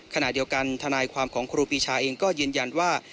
ขณะเดียวกันทนายความของครูปีชาเองก็ยืนยันว่า